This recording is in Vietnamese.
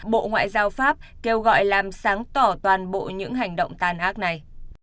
bộ ngoại giao pháp kêu gọi làm sáng tỏ toàn bộ những hành động tàn ác này